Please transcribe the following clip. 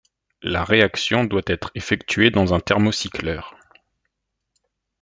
La réaction doit être effectuée dans un thermocycleur.